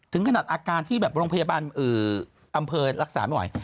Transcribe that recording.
ถึงขนาดอาการที่แบบโรงพยาบาลอำเภอรักษาไม่ไหว